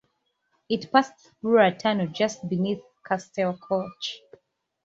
It passed through a tunnel just beneath Castell Coch.